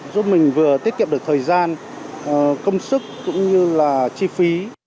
giúp mình vừa tiết kiệm được thời gian công sức cũng như là chi phí